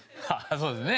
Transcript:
そうですね。